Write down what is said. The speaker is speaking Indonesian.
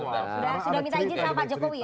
sudah sudah minta izin dari pak jokowi ya